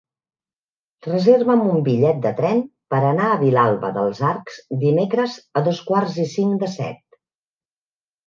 Reserva'm un bitllet de tren per anar a Vilalba dels Arcs dimecres a dos quarts i cinc de set.